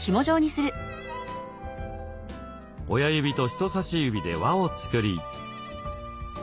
親指と人さし指で輪を作り。